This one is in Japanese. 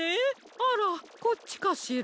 あらこっちかしら？